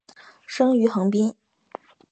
生于横滨。